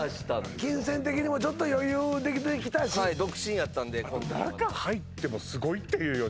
金銭的にもちょっと余裕出てきたし独身やったんで中入ってもすごいっていうよね